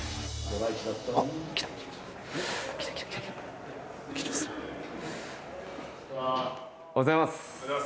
おはようございます。